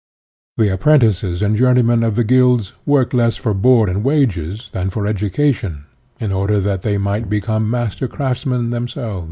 The apprentices and journeymen of the guilds worked less for board and wages than for education, in order that they might become master crafts men themselves.